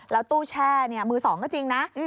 แล้วตู้แช่มือสองก็จริงนะ